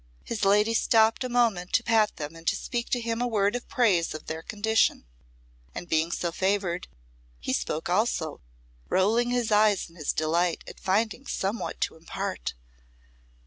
His lady stopped a moment to pat them and to speak to him a word of praise of their condition; and being so favoured, he spoke also, rolling his eyes in his delight at finding somewhat to impart.